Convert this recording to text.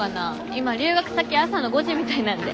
今留学先朝の５時みたいなんで。